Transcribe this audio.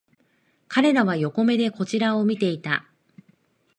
彼らは横目でこちらを見ていた